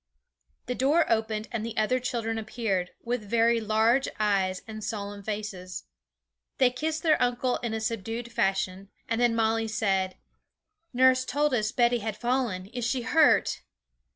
The door opened, and the other children appeared, with very large eyes and solemn faces. They kissed their uncle in a subdued fashion, and then Molly said, 'Nurse told us Betty had fallen, is she hurt?'